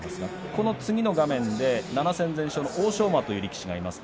この次の画面で７戦全勝の欧勝馬という力士がいます。